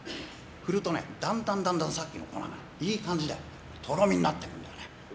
振るとね、だんだんさっきの粉がいい感じでとろみになってくるんだよね。